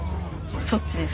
そっちです。